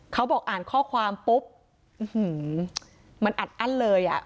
เขาบอกอ่านข้อความปุ๊บมันอัดอั้นเลยอ่ะ